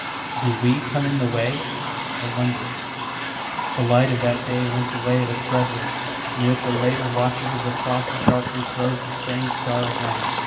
"Do we come in the way? I wonder " The light of that day went the way of its brethren, and with the later watches of the frosty darkness rose the strange star again.